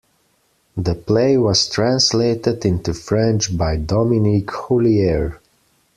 The play was translated into French by Dominique Hollier.